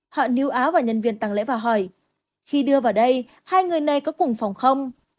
họ níu áo và nhân viên tăng lễ và hỏi khi đưa vào đây hai người này có cùng phòng không